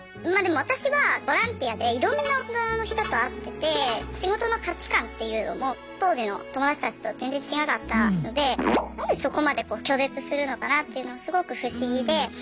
まあでも私はボランティアでいろんな大人の人と会ってて仕事の価値観っていうのも当時の友達たちと全然違かったので何でそこまで拒絶するのかなっていうのがすごく不思議で。